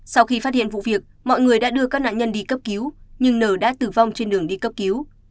sau khi phát hiện vụ việc mọi người đã đưa các nạn nhân đi cấp cứu nhưng nờ đã tử vong trên đường đi cấp cứu